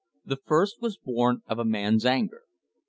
The first was born of a man's anger.